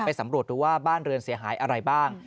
สำรวจดูว่าบ้านเรือนเสียหายอะไรบ้าง